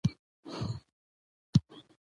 د مېلو له لاري خلک له بې پروا ژوند څخه راوځي.